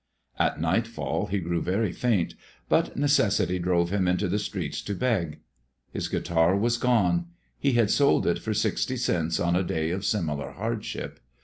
At nightfall he grew very faint, but necessity drove him into the streets to beg. His guitar was gone. He had sold it for sixty cents on a day of similar hardship.